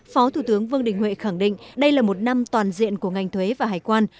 phó thủ tướng vương đình huệ khẳng định đây là một năm toàn diện của ngành thuế và hải quan